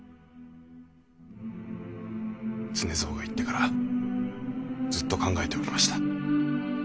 常蔵が逝ってからずっと考えておりました。